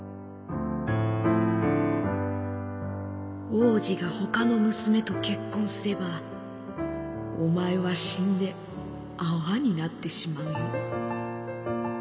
「王子がほかの娘と結婚すればお前は死んで泡になってしまうよ」。